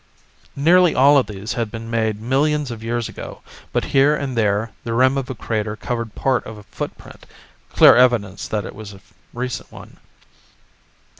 Nearly all of these had been made millions of years ago, but here and there, the rim of a crater covered part of a footprint, clear evidence that it was a recent one.